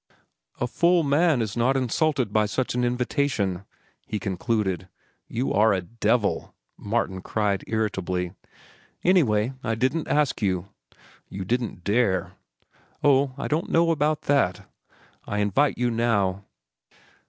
"A full man is not insulted by such an invitation," he concluded. "You are a devil," Martin cried irritably. "Anyway, I didn't ask you." "You didn't dare." "Oh, I don't know about that. I invite you now."